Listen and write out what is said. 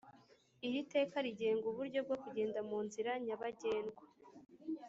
Iri teka rigenga uburyo bwo kugenda mu nzira nyabagendwa